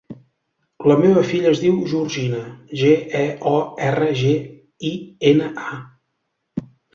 La meva filla es diu Georgina: ge, e, o, erra, ge, i, ena, a.